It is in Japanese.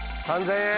３０００円。